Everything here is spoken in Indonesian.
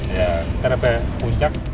ya kenapa puncak